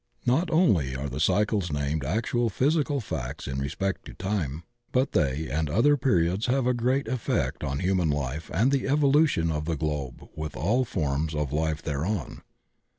Not only are Sie cycles named actual physical facts in respect to time, but they and other periods have a very great effect on human life and the evolution of the globe witib all the forms of Ufe thereon.